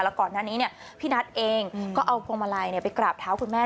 แล้วก่อนหน้านี้พี่นัทเองก็เอาพวงมาลัยไปกราบเท้าคุณแม่